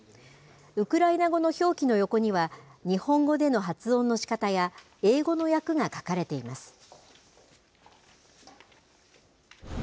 ウクライナ語の表記の横には、日本語での発音のしかたや英語の訳が書かれています。